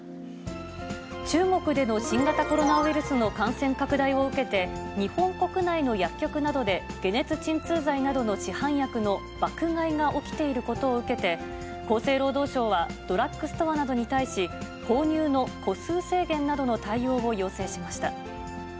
中国での新型コロナウイルスの感染拡大を受けて、日本国内の薬局などで、解熱鎮痛剤などの市販薬の爆買いが起きていることを受けて、厚生労働省は、ドラッグストアなどに対し、購入の個数制限などの対応を要請しました。